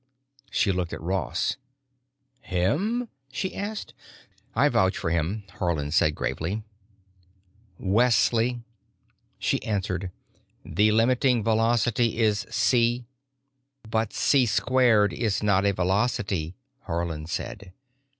She looked at Ross. "Him?" she asked. "I vouch for him," Haarland said gravely. "Wesley." She answered, "The limiting velocity is C." "But C^2 is not a velocity," Haarland said.